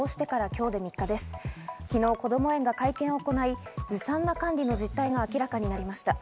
昨日、こども園が会見を行い、ずさんな管理の実態が明らかになりました。